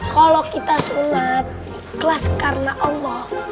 kalau kita sunat ikhlas karena allah